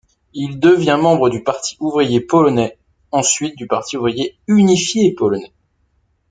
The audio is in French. Il devient membre du Parti Ouvrier Polonais, ensuite du Parti Ouvrier Unifié Polonais.